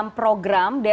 masyarakat di dunia